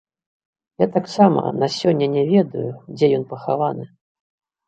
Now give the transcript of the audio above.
Я таксама на сёння не ведаю, дзе ён пахаваны.